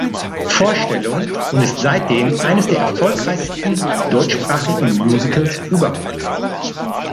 Vorstellung und ist seitdem eines der erfolgreichsten deutschsprachigen Musicals überhaupt.